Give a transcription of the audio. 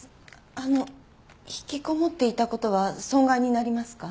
あの引きこもっていたことは損害になりますか？